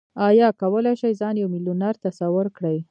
ايا کولای شئ ځان يو ميليونر تصور کړئ؟